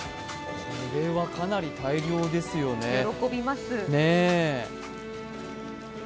これはかなり大量ですよね。